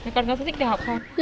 mẹ con có thích đi học không